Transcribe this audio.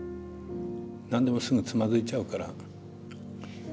何でもすぐつまずいちゃうから。